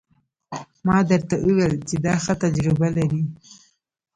ما درته وويل چې دا ښه تجربه لري.